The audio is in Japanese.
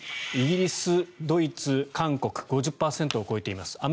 イギリス、ドイツ、韓国５０％を超えています。